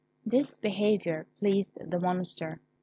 This behaviour pleased the Monster.